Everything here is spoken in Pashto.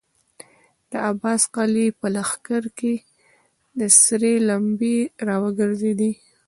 د عباس قلي په لښکر کې سرې لمبې را وګرځېدې.